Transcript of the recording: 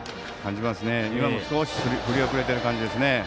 今も少し振り遅れてる感じですね。